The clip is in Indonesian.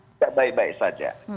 tidak baik baik saja